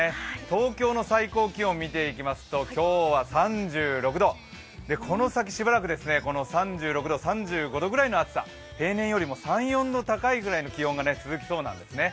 東京の最高気温見ていきますと今日は３６度、この先しばらく３６度、３５度ぐらいの暑さ、平年よりも３４度高いぐらいの気温が続きそうなんですね。